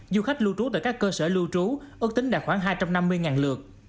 du khách lưu trú tại các cơ sở lưu trú ước tính đạt khoảng hai trăm năm mươi lượt